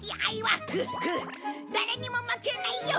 誰にも負けないよ！